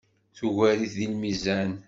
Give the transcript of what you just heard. Tugar-it deg lmizan.